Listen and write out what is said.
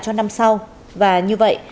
cho năm sau và như vậy